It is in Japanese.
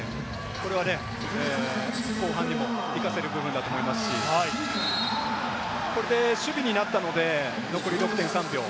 これは後半にも生かせる部分だと思いますし、これで守備になったので残り６．３秒。